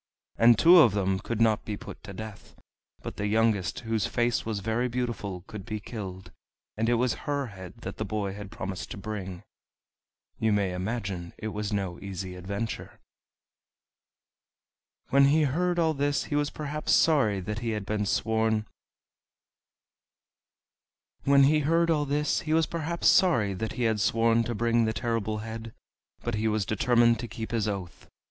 And two of them could not be put to death, but the youngest, whose face was very beautiful, could be killed, and it was her head that the boy had promised to bring. You may imagine it was no easy adventure. When he heard all this he was perhaps sorry that he had sworn to bring the Terrible Head, but he was determined to keep his oath.